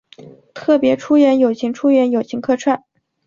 特别出演友情出演友情客串